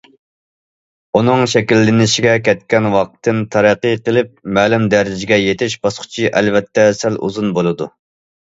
ئۇنىڭ شەكىللىنىشىگە كەتكەن ۋاقىتتىن تەرەققىي قىلىپ مەلۇم دەرىجىگە يېتىش باسقۇچى ئەلۋەتتە سەل ئۇزۇن بولىدۇ.